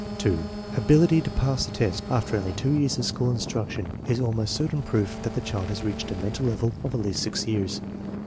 () Ability to pass the test after only two years of school instruction is almost certain proof that the child has reached a mental level of at least 6 years.